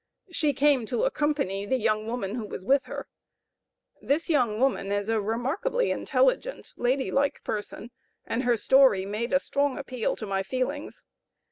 She came to accompany the young woman who was with her. This young woman was a remarkably intelligent, lady like person, and her story made a strong appeal to my feelings.